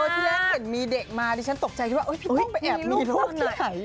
ที่แรกเห็นมีเด็กมาดิฉันตกใจคิดว่าพี่อุ๊ยไปแอบมีรูปไหน